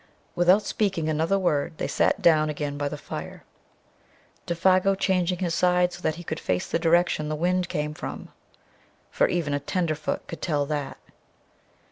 Without speaking another word they sat down again by the fire. Défago changing his side so that he could face the direction the wind came from. For even a tenderfoot could tell that.